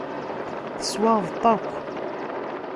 Teswaɣeḍ-t akk.